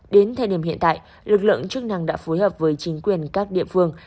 đến thời điểm hiện tại lực lượng chức năng đã phối hợp với chính quyền các địa phương